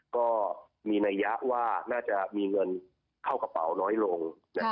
ก็มีนัยยะว่าน่าจะมีเงินเข้ากระเป๋าน้อยลง